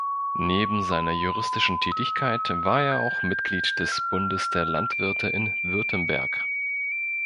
Neben seiner juristischen Tätigkeit war er auch Mitglied des "Bundes der Landwirte in Württemberg".